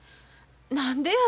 何でや。